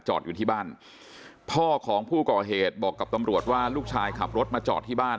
อยู่ที่บ้านพ่อของผู้ก่อเหตุบอกกับตำรวจว่าลูกชายขับรถมาจอดที่บ้าน